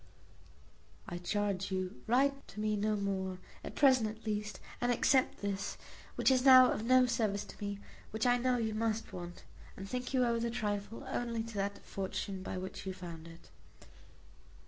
"I charge you write to me no more at present at least; and accept this, which is now of no service to me, which I know you must want, and think you owe the trifle only to that fortune by which you found it."